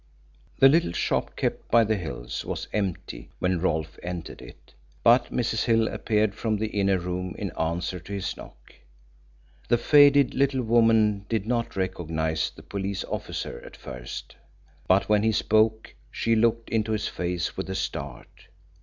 The little shop kept by the Hills was empty when Rolfe entered it, but Mrs. Hill appeared from the inner room in answer to his knock. The faded little woman did not recognise the police officer at first, but when he spoke she looked into his face with a start.